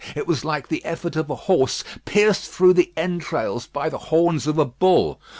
It was like the effort of a horse pierced through the entrails by the horns of a bull.